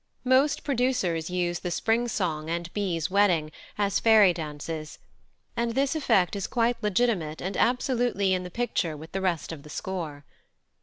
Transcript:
Most producers use the Spring Song and Bee's Wedding as fairy dances, and this effect is quite legitimate and absolutely in the picture with the rest of the score.